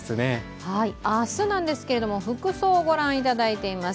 明日なんですけれども、服装をご覧いただいています。